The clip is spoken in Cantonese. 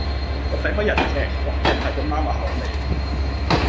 我睇開日劇，韓劇唔係咁啱我口味